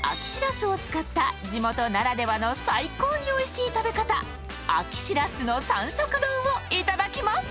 秋しらすを使った地元ならではの最高においしい食べ方、秋しらすの三色丼をいただきます。